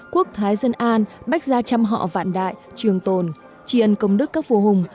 quốc thái dân an bách gia trăm họ vạn đại trường tồn tri ân công đức các vua hùng